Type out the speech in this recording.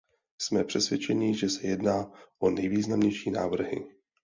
Jsme přesvědčeni, že se jedná o nejvýznamnější návrhy.